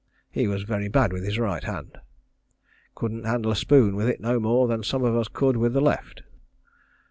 He was very bad with his right hand. Couldn't handle a spoon with it no more than some of us could with the left.